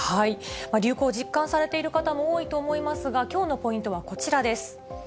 流行を実感されている方も多いと思いますが、きょうのポイントはこちらです。